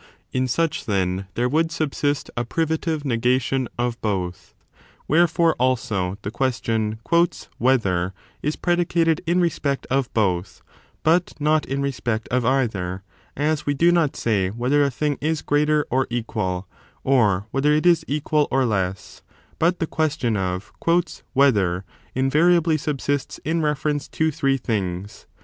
in such, then, there would subsist a privative negation of both. Wherefore, also, the question " whether " is predicated in respect of both, but not in respect of either; as we do not say whether a thing is greater or equal, or whether it is equal or less ; but the question of " whether " invariably subsists in reference to three things.